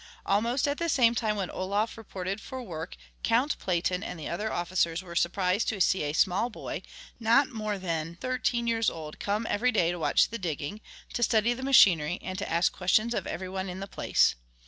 Almost at the same time when Olof reported for work Count Platen and the other officers were surprised to see a small boy, not more than thirteen years old, come every day to watch the digging, to study the machinery, and to ask questions of every one in the place.